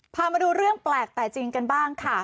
พามาดูเรื่องแปลกแต่จริงกันบ้างค่ะ